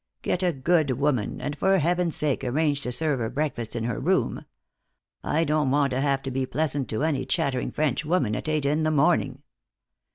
Get a good woman, and for heaven's sake arrange to serve her breakfast in her room. I don't want to have to be pleasant to any chattering French woman at eight in the morning."